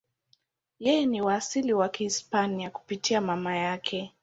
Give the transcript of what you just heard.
Yeye ni wa asili ya Kihispania kupitia mama yake.